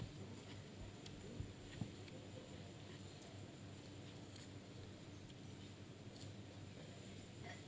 ขอบคุณครับ